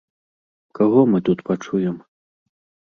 Каго мы тут пачуем?